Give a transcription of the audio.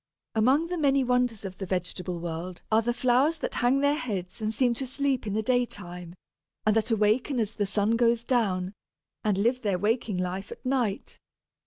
Among the many wonders of the vegetable world are the flowers that hang their heads and seem to sleep in the daytime, and that awaken as the sun goes down, and live their waking life at night.